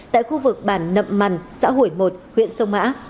tại khu vực bản nậm mằn xã hủy một huyện sông mã